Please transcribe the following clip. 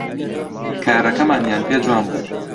کارەکەمانیان پێ جوان بوو